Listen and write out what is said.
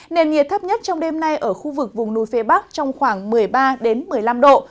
nền nhiệt thấp nhất trong đêm nay ở khu vực vùng núi phía bắc trong khoảng một mươi ba một mươi năm độ